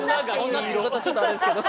女って言い方ちょっとあれですけど。